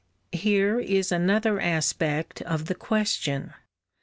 Here is another aspect of the question.